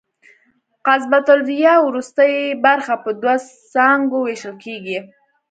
قصبة الریې وروستۍ برخه په دوو څانګو وېشل کېږي.